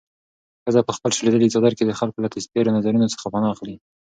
ښځه په خپل شلېدلي څادر کې د خلکو له تېرو نظرونو څخه پناه اخلي.